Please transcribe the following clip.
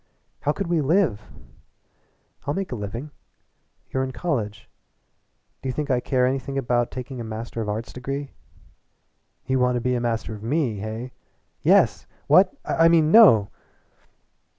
"How could we live?" "I'll make a living." "You're in college." "Do you think I care anything about taking a Master of Arts degree?" "You want to be Master of Me, hey?" "Yes! What? I mean, no!"